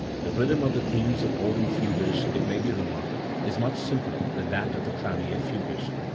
The rhythm of the themes of the organ fugues, it may be re marked, is much simpler than that of the clavier fugues.